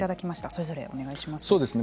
それぞれ、お願いします。